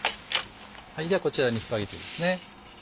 ではこちらにスパゲティですね。